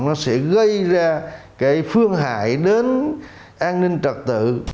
nó sẽ gây ra cái phương hại đến an ninh trật tự